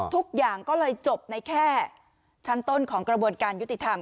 ทุกอย่างก็เลยจบในแค่ชั้นต้นของกระบวนการยุติธรรม